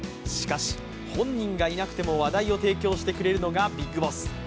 しかし本人がいなくても話題を提供してくれるのがビッグボス。